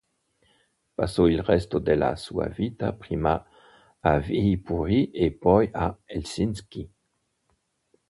Passò il resto della sua vita prima a Viipuri e poi a Helsinki.